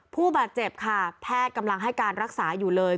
ผู้บาดเจ็บค่ะแพทย์กำลังให้การรักษาอยู่เลย